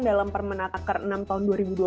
dalam permenataker enam tahun dua ribu dua puluh